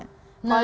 nah itu dia juga